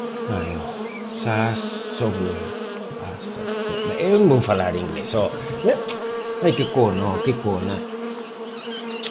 SaaS (Software as a Service) é software como serviço.